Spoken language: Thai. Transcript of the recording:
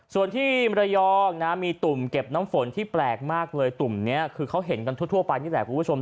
ส่วนที่มรยองนะมีตุ่มเก็บน้ำฝนที่แปลกมากเลยตุ่มนี้คือเขาเห็นกันทั่วไปนี่แหละคุณผู้ชม